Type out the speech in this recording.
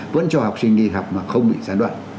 vẫn cho học sinh đi học mà không bị gián đoạn